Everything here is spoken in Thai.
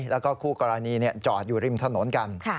แล้วก็คู่กรณีจอดอยู่ริมถนนกัน